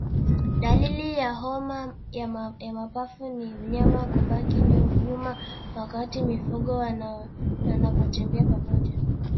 Dalili ya homa ya mapafu ni mnyama kubaki nyuma wakati mifugo wanapotembea pamoja